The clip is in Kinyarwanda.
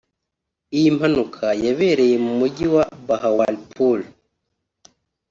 Iyi mpanuka yabereye mu mujyi wa Bahawalpur